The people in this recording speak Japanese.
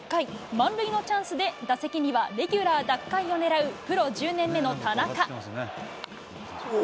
満塁のチャンスで、打席にはレギュラー奪回を狙うプロ１０年目の田中。